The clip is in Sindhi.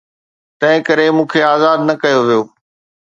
تنهنڪري مون کي آزاد نه ڪيو ويو.